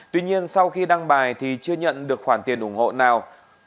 tuy nhiên sau khi đăng bài thì chưa nhận được khoản tiền ủng hộ nào